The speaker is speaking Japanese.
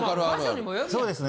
そうですね。